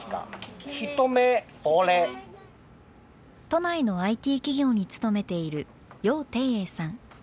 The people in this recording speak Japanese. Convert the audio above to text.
都内のＩＴ企業に勤めている楊貞栄さん。